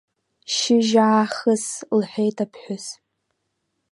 Шьыжьаахыс, – лҳәеит аԥҳәыс.